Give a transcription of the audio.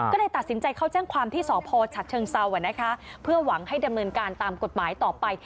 ก็เลยตัดสินใจเข้าแจ้งความที่สพฉเชิงเซานะคะเพื่อหวังให้ดำเนินการตามกฎหมายต่อไป